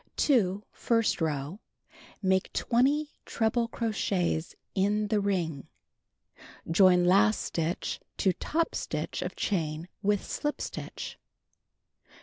2. First row: Make 20 treble crochets in the ring (see page 228). stitch to top stitch of chain with slip stitch.